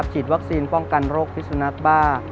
ฉีดวัคซีนป้องกันโรคพิสุนักบ้า